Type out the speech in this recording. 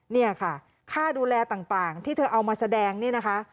เนี่ยค่ะค่าดูแลต่างที่เธอเอามาแสดงเนี่ยนะคะ